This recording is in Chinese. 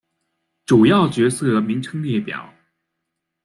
主要角色名称列表。